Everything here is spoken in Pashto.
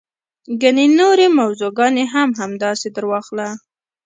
ګڼې نورې موضوع ګانې هم همداسې درواخله.